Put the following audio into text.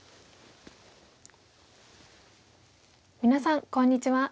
皆さんこんにちは。